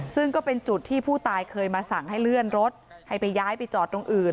ซึ่งก็เป็นจุดที่ผู้ตายเคยมาสั่งให้เลื่อนรถให้ไปย้ายไปจอดตรงอื่น